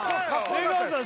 出川さん